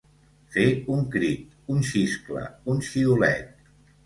Fer un crit, un xiscle, un xiulet.